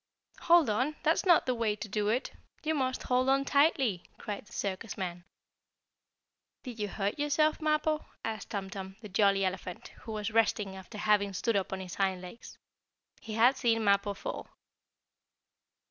"Hold on! That's not the way to do it! You must hold on tightly!" cried the circus man. "Did you hurt yourself, Mappo?" asked Tum Tum, the jolly elephant, who was resting, after having stood up on his hind legs. He had seen Mappo fall.